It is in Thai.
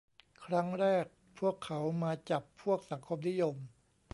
ครั้งแรก พวกเขามาจับพวกสังคมนิยม